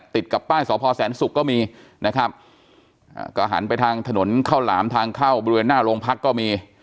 ติดกับป้ายสพแสนศุกร์ก็มีนะครับอ่าก็หันไปทางถนนข้าวหลามทางเข้าบริเวณหน้าโรงพักก็มี